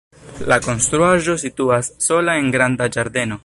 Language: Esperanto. La konstruaĵo situas sola en granda ĝardeno.